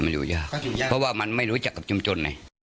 เพราะว่ามันไม่รู้จักกับจมจน